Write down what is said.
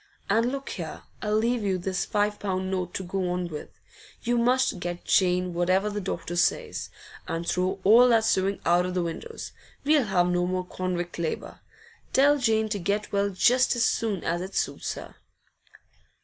And look here, I'll leave you this five pound note to go on with. You must get Jane whatever the doctor says. And throw all that sewing out of the windows; we'll have no more convict labour. Tell Jane to get well just as soon as it suits her.